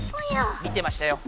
見てましたよ！